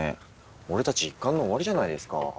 俺たち一巻の終わりじゃないですか。